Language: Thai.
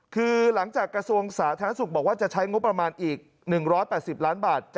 คือหลังจากกระทรวงสาธารณสุขบอกว่าจะใช้งบประมาณอีก๑๘๐ล้านบาท